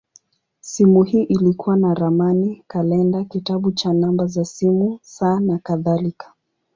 Simu hii ilikuwa na ramani, kalenda, kitabu cha namba za simu, saa, nakadhalika.